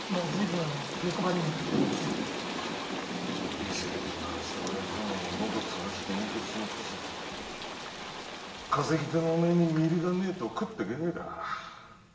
美声で鳴らした親父殿も喉潰して隠居しちまったし稼ぎ手のおめえに実入りがねえと食ってけねえか。